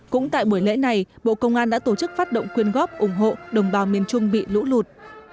cũng tại buổi lễ này bộ công an đã tổ chức phát động quyên góp ủng hộ đồng bào miền trung bị lũ lụt